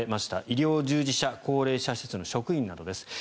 医療従事者高齢者施設の職員などです。